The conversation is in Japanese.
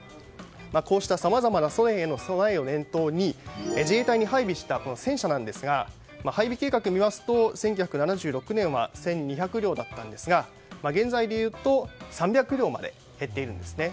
こうしたさまざまなソ連への備えを念頭に自衛隊に配備した戦車なんですが配備計画を見ますと１９７６年は１２００両だったんですが現在でいうと３００両まで減っているんですね。